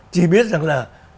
chỉ biết rằng là